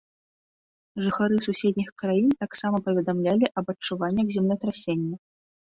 Жыхары суседніх краін таксама паведамлялі аб адчуваннях землетрасення.